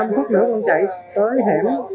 năm phút nữa con chạy tới hiểm